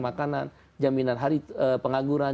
makanan jaminan pengangguran